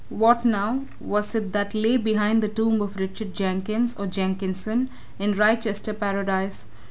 What, now, was it that lay behind the tomb of Richard Jenkins, or Jenkinson, in Wrychester Paradise?